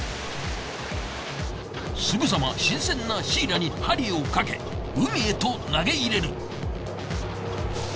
すぐさま新鮮なシイラに針を掛け海へと投げ入れる。